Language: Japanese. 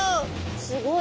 すごい。